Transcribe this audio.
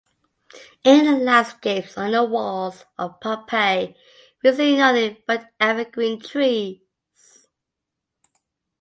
In the landscapes on the walls of Pompeii we see nothing but evergreen trees.